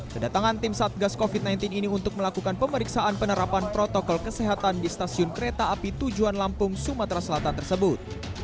kedatangan tim satgas covid sembilan belas ini untuk melakukan pemeriksaan penerapan protokol kesehatan di stasiun kereta api tujuan lampung sumatera selatan tersebut